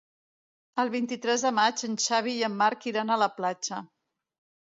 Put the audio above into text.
El vint-i-tres de maig en Xavi i en Marc iran a la platja.